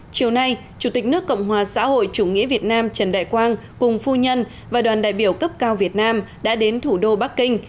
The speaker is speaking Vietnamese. chiều nay chủ tịch nước cộng hòa xã hội chủ nghĩa việt nam trần đại quang cùng phu nhân và đoàn đại biểu cấp cao việt nam đã đến thủ đô bắc kinh